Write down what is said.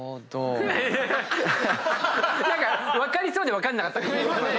分かりそうで分かんなかったね。